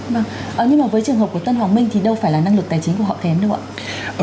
vâng nhưng mà với trường hợp của tân hoàng minh thì đâu phải là năng lực tài chính của họ kém không ạ